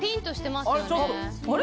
あれ？